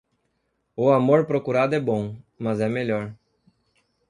O amor procurado é bom, mas é melhor.